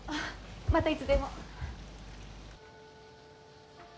またいつでも。